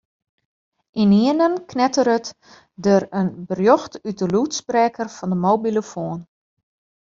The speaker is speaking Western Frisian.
Ynienen knetteret der in berjocht út de lûdsprekker fan de mobilofoan.